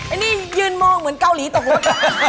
อันนี้ยืนมองเหมือนเกาหลีตะกด